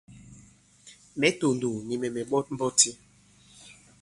Mɛ̌ tòndòw, nì mɛ̀ mɛ̀ ɓɔt mbɔti.